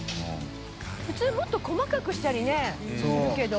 當もっと細かくしたりねするけど。